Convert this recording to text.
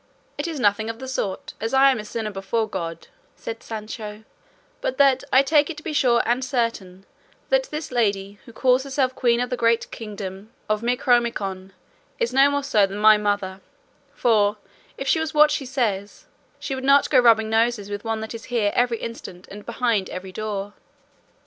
"It is nothing of the sort, as I am a sinner before God," said Sancho, "but that I take it to be sure and certain that this lady, who calls herself queen of the great kingdom of Micomicon, is no more so than my mother; for, if she was what she says, she would not go rubbing noses with one that is here every instant and behind every door."